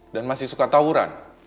dan masih suka tawuran